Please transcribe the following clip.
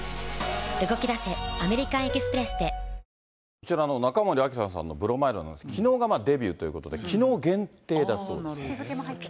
こちらの中森明菜さんのブロマイドの、きのうがデビューということで、きのう限定だそうです。